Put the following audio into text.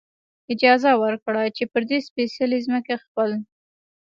اجازه ورکړه، چې پر دې سپېڅلې ځمکې خپل.